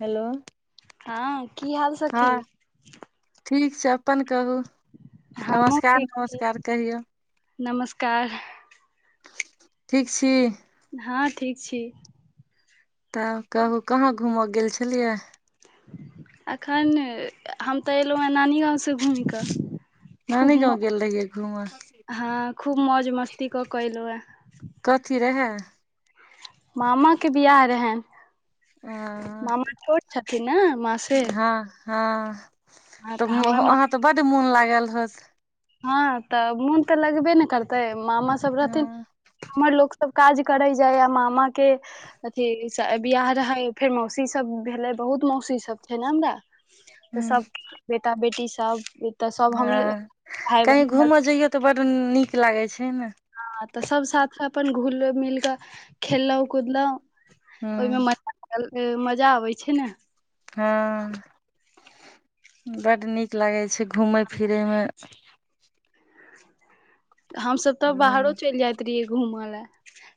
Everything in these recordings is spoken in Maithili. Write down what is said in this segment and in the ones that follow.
हेलो हँ कि हाल सखी? हँ ठीक छै अपन कहू हमहुँ नमस्कार ठीक छी नमस्कार कहियौ। नमस्कार। ठीक छी? हँ ठीक छी। तऽ कहू कहाँ घूमऽ गेल छलियै? एखन हम तऽ एयलौ हेँ नानी गाँवसँ घूमि कऽ। खूब नानी गाँव म गेल रहियै घूमऽ हँ खूब मौज मस्ती कऽ कऽ एलौ ए। कथी रहे? मामा के बियाह रहे। अ मामा छोट छथिन न माँ से। हँ हँ हँ तऽ हमर माँ वहाँ तऽ बड मोन लागल होत? हँ तऽ मोन तऽ लगबे ने करतै मामा सब रहथिन। हँ हमर लोक सब काज करै जायया मामा के। अथी बियाह रहै फेर मौसी सब भेलै बहुत मौसी सब छै ने हमरा। तऽ हूँ सब बेटा -बेटी सब तऽ सब हमरे। भाय कहीँ बहिन घूमय लड़का जइयौ तऽ बड्ड नीक लागै छै नऽ। हँ तऽ सब साथ अपन घुल मिल कऽ खेललौ कुदलौ। ओय मे हूँ म- मजा आबै छै ने। हँ बड्ड नीक लागै छै घूमैय फिरैमे। हमसब तऽ बाहरो हूँ चैलजाइत रहियै घूमऽ लए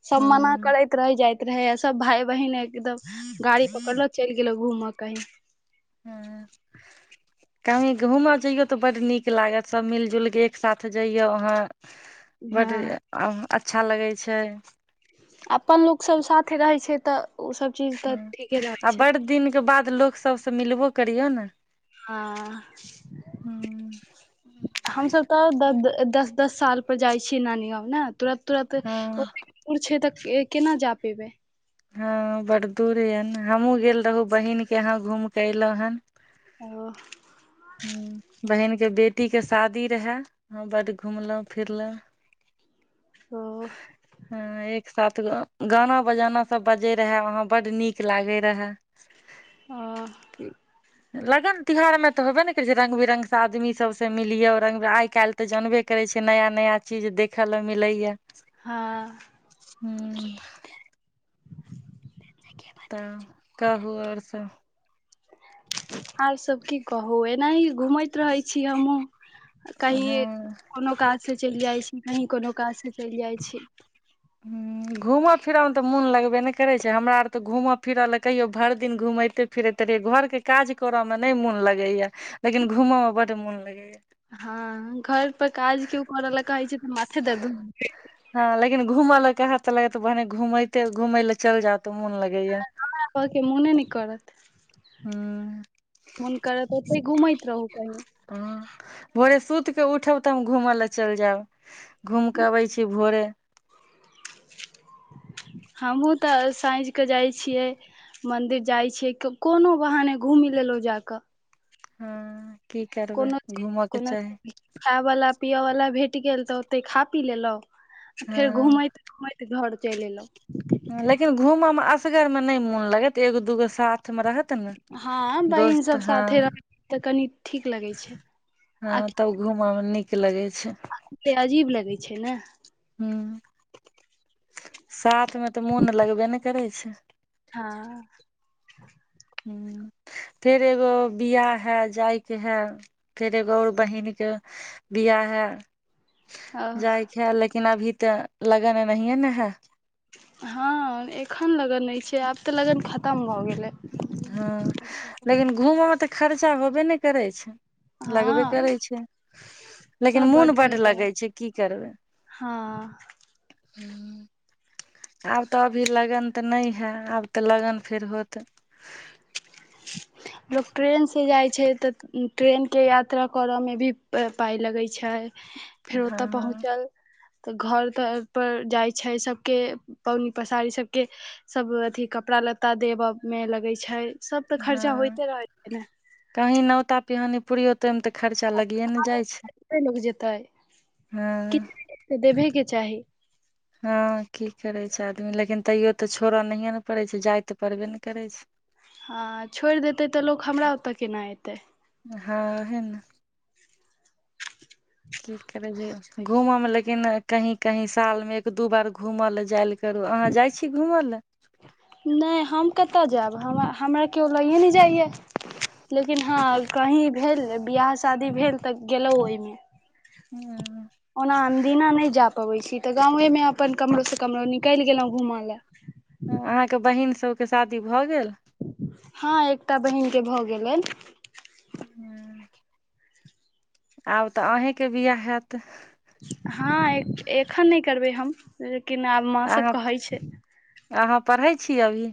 सब मना हूँ करैत। रहि जाइत रहे सब भाय बहिन एकदम गाड़ी पकड़लो चैल गेलौ घूमऽ कहीं। हँ। कहीं घूमऽ जइयऔ तऽ बड्ड नीक लागत सब मिलजुल कऽ एक सााथ जइयऔ आहाँ। बड हँ अ -अच्छा लगै छै। अपन लोक सब साथे रहै छै तऽ। ओ सब चीज तऽ हूँ ठीके रहै आ छै बड़ दिनके बाद लोक सबसँ मिलबो करियौ ने। हँ। हूँ हमसब तऽ दस- दस साल पर जाइ छियै नानी गाँव न तुरत- तुरत हँ ओतेक दूर छै तऽ केना जा पेबै। हँ बड दूर या ने हमहुँ गेल रहौ बहिन के यहाँ घूम के एलौ हन। ओ- हूँ बहिन के बेटी के शादी रहे हँ बड घुमलौ फिरलौ। ओ- हँ एक साथ गाना बजाना सब बजै रहए वहाँ बड्ड नीक लागै रहए। ओ की लगन त्यहारमे तऽ होबे ने करै छै रंग- बिरंग आदमी सबसँ मिलिय आइ कैल्ह। तऽ जानबे करे छियै नया -नया चीज देखऽ ले मिलेै या। हाँ। हूँ। तऽ कहू आओर सब। आर सब की कहू एनाही घूमैत रहै छी हमहहुँ। कही हँ कोनो काज से चलि जाइ छी कहीं कोनो काज से चलि जाइ छी। हूँ। घूमय फिरऽ मे तऽ मोन लगबे नहि करै छै हमरा आर तऽ घूमऽ फिरऽ लऽ कहियो भरि दिन घुमते फिरैत रहियै घर के काज करऽ मे नहि मन लगेया लेकिन घूमय मे बड मोन लगेया। हँ घर पर काज केओ करऽ लए कहै छै तऽ माथे दर्द हो हँ लेकिन घूम ल कहते लग बहने घूमेते घूमे ले चल जा तऽ मोन लगेया। खाना खाके मोने नहि करत। हूँ फोन करत ओते घुमैत रहू कही। ह भोरे सुति कऽ उठब तऽ हम घूमय लए चलि जायब। घूमि कऽ अबै छी भोरे। हमहूँ तऽ साँझ कऽ जाइत छियै। मंदिर जाइ छीये कोनो बहने घूमी लेलो जाके। हँ की करबै घूमऽके चाही। खाय बाला पिय वाला भेट गेल तऽ ओते खा पी लेलहु। फेर हँ घुमैत घूमैत घर चलि एयलहुँ। लेकिन घूम में असगर मे न मोन लगत एगो दूगो साथ [unintelligible] मे रहत ने हँ बहिन दोस्त सब हँ। साथे रह तऽ कनि ठीक लगै छै हँ तब घूमय मे नीक लगैत छै। ते अजीब लगै छै ने। ह साथ मे तऽ मोन लगबे ने करै छैय। हाँ। हूँ। फेर एगो बिआाह है जायके है फेर एगो और बहिनके बिआ है जाइत है लेकिन अभी तऽ लगन नहि ने है। हँ एखन लगन नहि छैय आब तऽ लगन ख हँ लेकिन घूमयमे तऽ खर्चा होबे ने करै छैय। लगबे हँ करै छैय। लेकिन तऽ मोन बड्ड खर्चा लगै छैय की करबै। हँ आब तऽ अभी लगन तऽ नहि हए आब तऽ लगन फेर होत [inaudible] लोक ट्रेनसँ जाइत छैय तऽ ट्रेनके यात्रा करयमे भी पाइ लगैत छैय। फेर ओ तऽ हँ पहुँचल तऽ घर तपर जाइ छैय सभके पबनी पसारी सभके सब अथी कपड़ा लत्ता देब मे लगै छैय सब तऽ खर्चा हँ होयइते रहैत छैय ने। कहीं नोता पिहानी पुरियो तेमे तऽ खर्चा लगिए ने जाइ छैय हँ। तऽ देबेके चाही। हँ की करे छैय आदमी लेकिन तैयो तऽ छोड़ऽ नहिये ने पड़े छैय जाय ते पड़बे ने करे छैय। [inaudible] हँ छोड़ि देतै तऽ लोक हमरा ओतऽ केना अतै। हँ, है न। की करबै जे घूमय में लेकिन कहीं कहीं साल में एक दू बार घूमय लय जैऽल करू। अहाँ जाइ छी घूमय लैऽ? नैय हम कतऽ जैऽब? हम-हमरा कियो लयै नैय जाइयैऽ। लेकिन हँ कहीं भेल, विवाह शादी भेल तऽ गेलौं ओई में। ओना अनदिना नैय जा पबै छी, तऽ गांवे मे अपन कमरो से कमरो निकैल गेलौं घूमऽ लैऽ। ह्म्म अहाँके बहिन सबके शादी भऽ गेल? हँ एकटा बहिनके भऽ गेलैन। हूं। आब तऽ आहें के बियाह हैत? हाँ, ए-एखन नैय करबै हम, लेकिन आब माँ सब अहाँ कहै छै। अहाँ पढ़ैय छी अभी?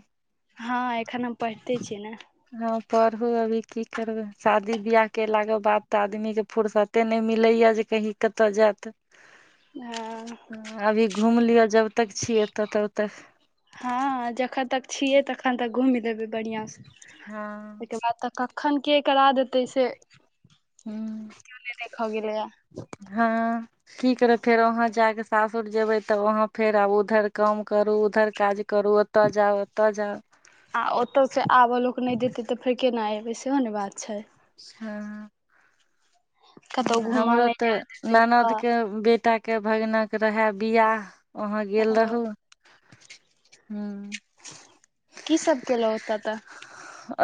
हँ एखन हम पढ़िते छीयै न। हँ पढ़ू अभी की करबै? शादी बियाह केला के बाद तऽ आदमी के फुरसत ते नैय मिलैया जे कहीं कतय जैत। हंऽ। अभी घूम लिअ जबतक छी ऐतऽ तबतक। हँ जखन तक छियै तखन तक घुमि लेबै बढ़ियां सँ। ओइ हँ के बाद तऽ कखन के करा देतै से हूंम्म। कियो नै देखऽ गेलैया। हाँ। की करब फेर वहाँ जा कऽ सासुर जेबै तऽ वहाँ फेर आब उधर काम करू, उधर काज करू, ओ ओतऽ जाउ, ओतऽ जाउ। आ ओतौसँ आबऽ लोक नैय देतै, तऽ फेर केना एबै? सेहो ने बात छै। हँ। कतहु घूमऽ हमरो नहि जाय तऽ देतै ननौद के बेटा के भगीना के रहेऽ बियाह, वहाँ गेल ओतऽ रहु। हूंम्म। की सब केलौ ओत तऽ?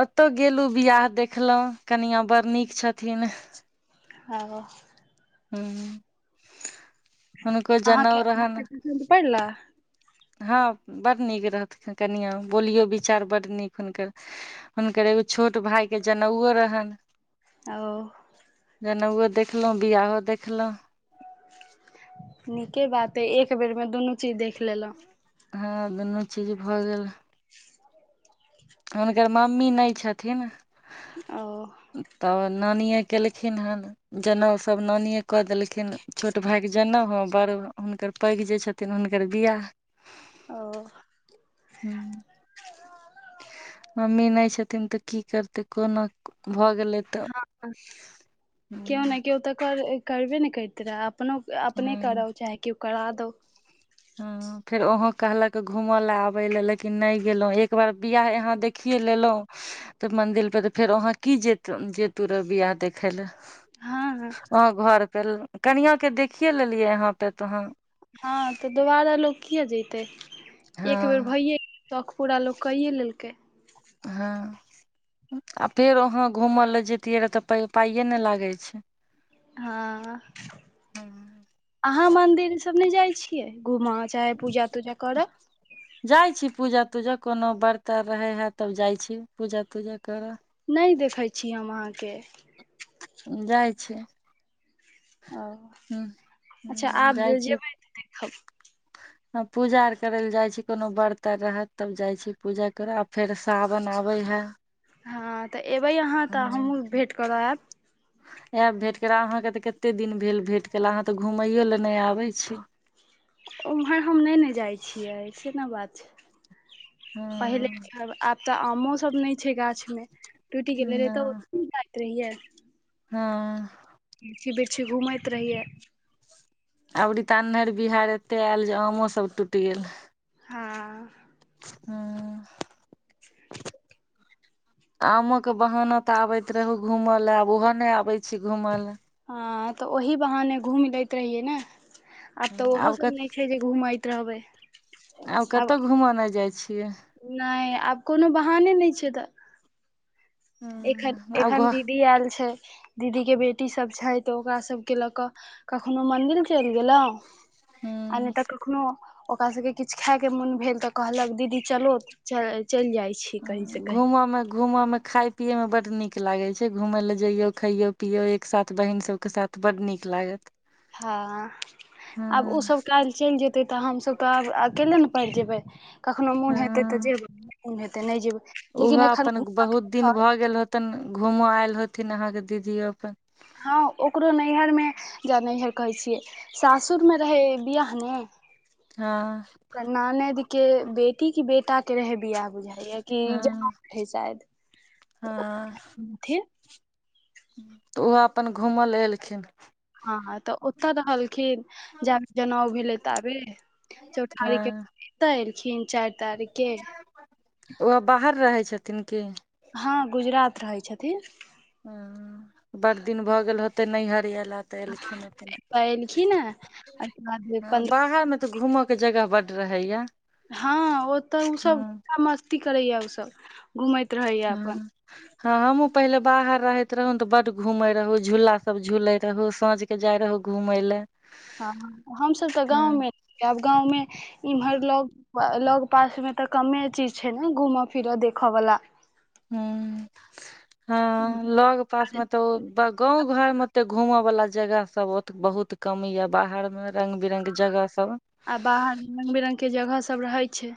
ओतऽ गेलु बियाह देखलौं, कनिआं बड़ नीक छथिन। हाँ। हूंम्म। अहाँके [inaudible] परला? हँ, बड नीक रहथिन कनिआँ, बोलियो विचार बड नीक हुनकर हुनकर एगो छोट भाई के जनेउओ रहैन। ओऽ। जनौउओ देखलौं, बियाहो देखलौं। नीके बात अइ, एक बेर मे दुनू चीज देख लेलौं। हँ दुन्नू चीज भऽ गेल। [inaudible] हुनकर मम्मी नई छथिन। ओऽ। तहन नानिये केलखिन हन। जनेउ सभ नानिये कऽ देलखिन, छोट भायके जनेउ ह, बड़ हुनकर पैघ जे छथिन तखैन हुनकर वियाह ओ मम्मी नई छथिन तऽ की करते कोना भऽ गेलै। तऽ हँ कियो ने कियो तऽ कर करबे ने करते रहे। अपनो अपने हँ करै चाहै कियो करा दौ। हँ। फेर ओहो कहलक घूमऽले आबै ले लेकिन नहि गेलहुँ, एकबेर बिआह अहाँ देखिये लेलौं। तऽ मंन्दिर पर तऽ फेर वहाँ की जेतौ जेतू र बियाह देखै लै। हँ हँ हां घर केल कनियाँ के देखिये लेलियै अहाँ त तखन। हँ तऽ दोबारा लोक किए जैतै, एक बेर हँ भइये शख पूरा लोग कैेये लेलकै। हँ आ फेर वहाँ घूमय लए जैतियै रहै तऽ पाइए ने लगै छै। हँ, अहाँ मदिर सब नै जाइ छियै घुमय। चाहे पूजा तूजा करऽ। जाइ छी पूजा तूजा कोनो व्रत आ रहै हइ तब जाइ छी पूजा तूजा करऽ। नै देखै छी हम अहाँके। जाइ छियै। ओ, अच्छा आब जेबै तऽ देखब। हं पूजा आर करै ले जाइ छी कोनो व्रत आ रहत तब जाइ छी पूजा करऽ आ फेर सावन आबै हे। हँ तऽ एबै अहाँ तऽ हमहूँ भेँट करऽ एब। एब भेट करऽ, अहाँके तऽ कते दिन भेल भेट केला, अहाँ तऽ घूमैयो लए नै आबै छी। ओमहर हम नै न जाइ छियै से न बात छै। पहिले, हँ आब तऽ आमो सब नै छै गाछ में, टुइट गेल रहै तऽ नै जाइत रहियै। हँ। जे बिछे घूमैत रहियै। अबरि त अन्हर बिहारि एते एल जे आमो सभ टूटि गेल। हँ। ह [inaudible] आमो के बहाना तऽ आबैत रहू घूमऽ ले, आब त ओहो नै आबै छी घूमऽ ले। हँ तऽ ओहि बहाने घुमि लैत रहियै ने, आब तऽ ओहो सब नहि छै जे घुमैत रहबै। और कतऽ घूमऽ ले जाइ छियै? नै आब कोनो बहाने नै छै तऽ। एखन आब एखन दीदी आयल छै। दीदी के बेटी सब छै तऽ ओकरा सबके लऽ कऽ कखनो मंदिर चलि गेलौं आ घर नै तऽ कखनो ओकरा सबके किछ खाइके मोन भेल तऽ कहलक दीदी चलो तऽ चइल जाइ छी। कहीं से कहीं घूमऽ में घूमऽ में खाय पियै में बड नीक लागै छै, घुमऽ लै जइयौ खैयौ पियौ एक साथ, बहिन सभके साथ, बड नीक लागत। हाँ, आब उ सब कैल चइल जे तै तऽ हमसभ तऽ आब अकेले न पैड़ जेबै, कखनो मोन हेतै तऽ जेबै मोन हेतै त नै जेबै। ओहो लेकिन एखन अपन बहुत दिन भऽ गेल हेतैन घूमऽ आयल हेथिन अहाँके दीदी अखैन। हँ ओकरो नैहर में जा नैहर कहै छियै सासुर में रहै बियाह ने। हं। ओकर ननैद के बेटी की बेटा के रहै बियाह बुझाय। ह ये कि जमै हँ रहै शैद तऽ ओ हँ फिर त ओ अपन घूमऽ लै एलखिन। हं- हं तऽ ओतऽ रहलखिन, जाबे जनउ भेलय ताबे। हं अ। अत एलखिन चारि तारीख के। ओ आब बाहर रहै छथिन की। हँ गुजरात रहै छथिन। हँ बड दिन भऽ गेल होतै नैहर एला। तऽ हँ, एलखिन अपन एतऽ एलखिन हे एहिके बाद हं पन्द्रह बाहर में ओतऽ घूमऽ के जगह बड रहैया। हँ ओतऽ उसब हँ [unintelligible] मस्ती करय ये उसब। हँ। हँ हमहुँ पहिले बाहर रहैत रहुं तऽ बड घुमै रहुं झूल्ला सब झूलै रहुं साँझ के जाइ रहौ घूमय ले। हँ ह हमसब तऽ गाँवमे आब गाँवमे एम्हर लग लग पास में तऽ कमे चिज छै ने घूम फिरऽ देखऽ बला। हूं ह लग पास मे त ओ त गाँंव घर मे त घूम बला जगह सब ओत बहुत कम ये बाहर में रंगबिरंग के जगह सब आ बाहर में रंग -बिरंग के जगह सब रहै छै।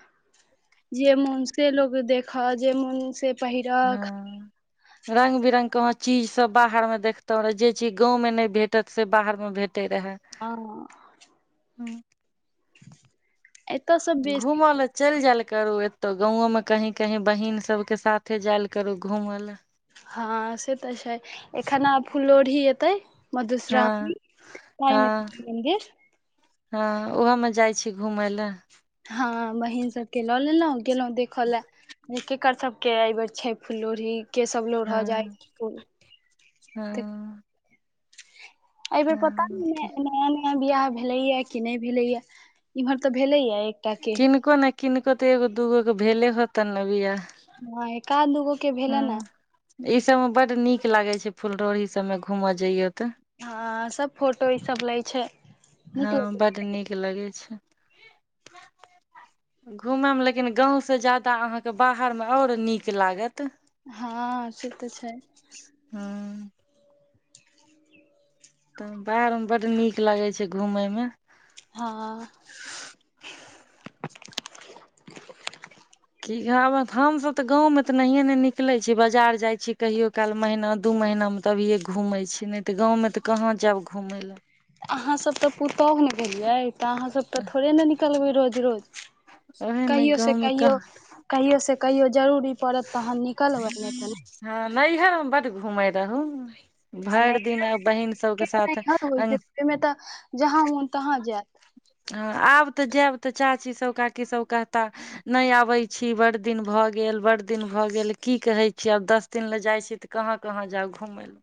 जे मन से लोक देख, जे मन से पहिर खा रंग-बिरंग के अहां चीज सब बाहर में देखतों रे, जे चीज गांव में नहि भे तत से बाहर में भेटै रेहे। हंऽ हूं [inaudible] सब बेसी घुम ले चलि जैल करू, एतो गाँवओ में कही- कही बहीन सबके साथे जाइल करू घूम ले। हँ से तऽ छै एखन आब फुलरोहरी एतै। हँ मधुश्रावनी तय में हँ जेबय मन्दिर। हँ उहोमे जाइ छी घूम ले। हँ बहिन सबके ल लेलहुँ गेलहुँं देखऽ ले। केकर सब के एहि बेर छै फूललोहड़ी के सब लोड़ह जायये फूल। हुंउ। अयबेेर पता नय, नया -नया बियाह भेलैया कि नै भेलैया इमहर तऽ भेलैये एक। किनको ने किनको तऽ एगो दूगो के भेले होतन ने बियाह। हँ एकाध दूगो के भेलनये। इ सब मे बड़ निक लागे छै, फुललोरी सबमे घूम जैयो तऽ। हँ सब फोटो ई सब लै छै। हँ नीक लग बड़ निक लगै छै। घूम मे लेकिन गाँव स जादा अहाँके बाहरमे और निक लागत। हां से तऽ छै। हां। तऽ बाहरमे बड निक लागै छै घूमय मे। हां। इ गाअ में हम सब तऽ गाँवमे तऽ नहिये नै निकलै छीयै बजार जाइ छीयै कहियो काल महिना दू महिना मे। तभिए घूमै छी नै तऽ गाँवमे तऽ कहाँ जैब घुमय लै। अहाँ सब तै पुतोह नै भेलियै तऽ अहाँ सब तऽ थोड़े नै निकलबै रोज-रोज। ओहेन गाँवमे कह‌ कहियो से कहियो जरूरी पड़त तहन निकलबै नै तऽ नै। हां नैहयर में बड घुमै रहू। आ भर दिन नैहर मे बहिन सबके तऽ साथ नैहर होइ छै अन ओहिमे तऽ जहाँ मोन तहाँ जायब हां आब तऽ जैब तऽ चाची सब, काकी सब कहता नै आबै छी, बड़ दिन भऽ गेल बड़ दिन भऽ गेल की कहै छीयै आब दस दिन लए जाइ छी तऽ कहाँ-कहाँ जाउ घूमय लए।